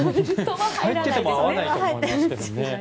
入ってても合わないと思いますけどね。